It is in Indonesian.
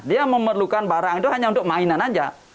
dia memerlukan barang itu hanya untuk mainan saja